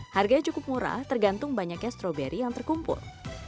harganya cukup murah tergantung banyaknya stroberi yang terkumpul